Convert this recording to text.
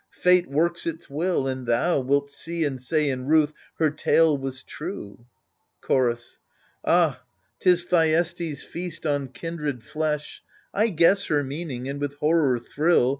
Fate works its will — and thou Wilt see and say in ruth. Her tale was true* Chorus Ah — ^'tis Thyestes' feast on kindred flesh — 1 guess her meaning and with horror thrill.